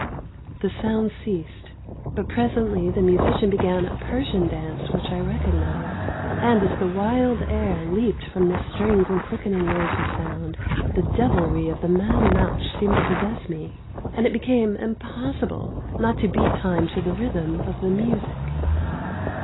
The sounds ceased, but presently the musician began a Persian dance which I recognised; and as the wild air leaped from the strings in quickening waves of sound, the devilry of the mad nautch seemed to possess me, and it became impossible not to beat time to the rhythm of the music.